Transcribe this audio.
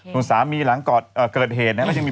ทุ่งสามีหลังเกิดเหตุมีภาวะเครียดอยู่